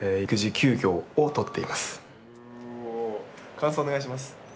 感想お願いします。